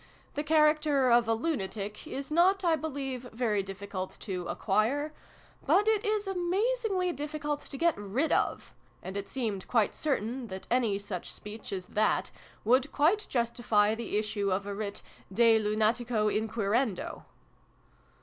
The character of a ' lunatic ' is not, I believe, very difficult to acquire : but it is amazingly difficult to get rid of: and it seemed quite certain that any such speech as that would quite justify the issue of a writ ( de lunatico inquirendo?